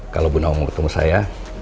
kalau bu nawang ketemu saya